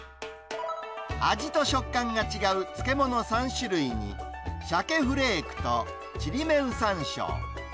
味と食感が違う漬物３種類に、シャケフレークとちりめんさんしょう。